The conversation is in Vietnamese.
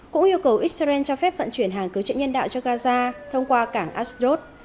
cũng yêu cầu israel cho phép vận chuyển hàng cứu trợ nhân đạo cho gaza thông qua cảng ashdod